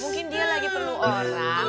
mungkin dia lagi perlu orang